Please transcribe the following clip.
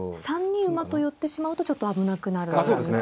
３二馬と寄ってしまうとちょっと危なくなるところですか。